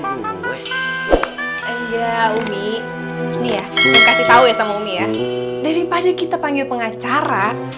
angga umi ini ya kasih tahu ya sama umi ya daripada kita panggil pengacara